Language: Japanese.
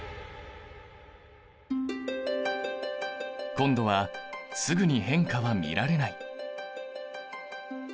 今度はすぐに変化は見られない。